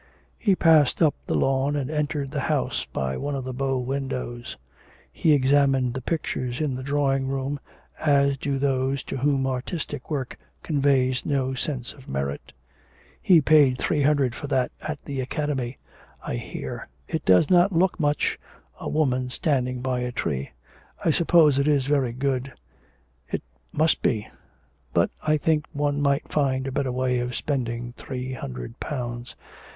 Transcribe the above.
He passed up the lawn and entered the house by one of the bow windows. He examined the pictures in the drawing room, as do those to whom artistic work conveys no sense of merit. 'He paid three hundred for that at the Academy, I hear. It does not look much a woman standing by a tree. I suppose it is very good; it must be good; but I think one might find a better way of spending three hundred pounds.